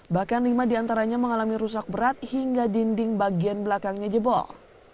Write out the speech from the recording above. bahkan lima diantaranya mengalami rusak berat hingga dinding bagian belakangnya jebol